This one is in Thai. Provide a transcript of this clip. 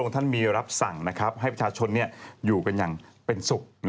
ท่านมีรับสั่งให้ประชาชนอยู่กันอย่างเป็นสุข